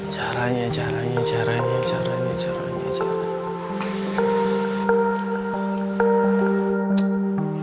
caranya caranya caranya caranya caranya cara